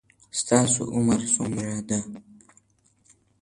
ستاسو عمر څومره ده